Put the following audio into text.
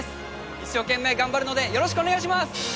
一生懸命頑張るのでよろしくお願いします！